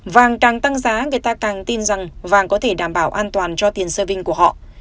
vàng càng tăng giá người ta càng tin rằng vàng có thể đảm bảo an toàn cho tiền sơ vinh của họ